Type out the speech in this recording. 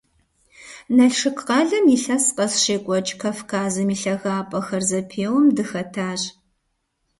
Налшык къалэм илъэс къэс щекӀуэкӀ «Кавказым и лъагапӀэхэр» зэпеуэм дыхэтащ.